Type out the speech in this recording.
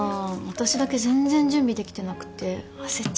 私だけ全然準備できてなくて焦っちゃった。